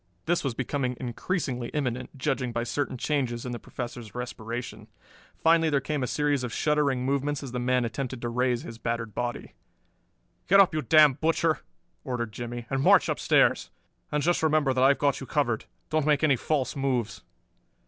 This was becoming increasingly imminent, judging by certain changes in the Professor's respiration. Finally there came a series of shuddering movements as the man attempted to raise his battered body. "Get up, you damned butcher," ordered Jimmie, "and march upstairs. And just remember that I've got you covered; don't make any false moves."